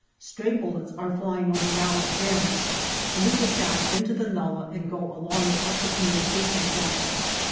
Stray bullets are flying over now and again, and we get down into the nullah and go along it up the communication trench.